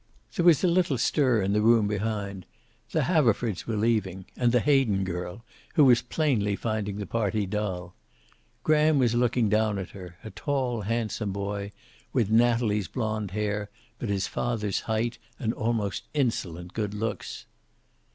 There was a little stir in the room behind. The Haverfords were leaving, and the Hayden girl, who was plainly finding the party dull. Graham was looking down at her, a tall, handsome boy, with Natalie's blonde hair but his father's height and almost insolent good looks.